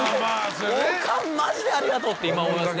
オカンマジでありがとう！って今思いますね。